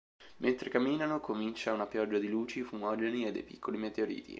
Mentre camminano comincia una pioggia di luci, fumogeni e dei piccoli meteoriti.